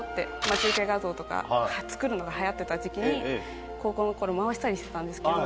待ち受け画像とか作るのがはやってた時期に高校の頃回してたんですけど。